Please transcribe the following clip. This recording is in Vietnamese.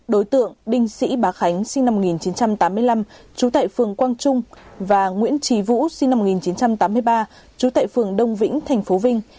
đối tượng đinh sĩ bá khánh sinh năm một nghìn chín trăm tám mươi năm trú tại phường quang trung và nguyễn trí vũ sinh năm một nghìn chín trăm tám mươi ba trú tại phường đông vĩnh tp vinh